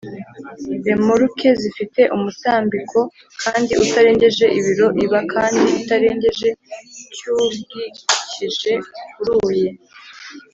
remoruke z’ifite umutambiko kandi utarengeje ibiro iba kandi itarengeje / cy’ubwikije kuruye